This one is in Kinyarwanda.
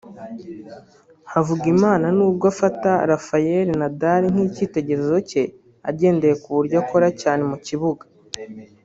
Havugimana nubwo afata Rafael Nadal nk’ikitegererezo cye agendeye ku buryo akora cyane mu kibuga